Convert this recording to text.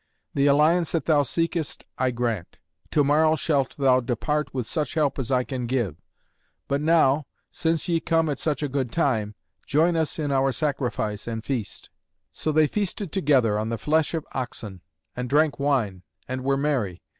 The alliance that thou seekest I grant. To morrow shalt thou depart with such help as I can give. But now, since ye be come at such good time, join us in our sacrifice and feast." So they feasted together on the flesh of oxen, and drank wine, and were merry.